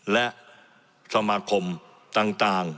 และสมาคมต่าง